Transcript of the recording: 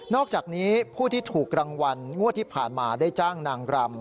อกจากนี้ผู้ที่ถูกรางวัลงวดที่ผ่านมาได้จ้างนางรำ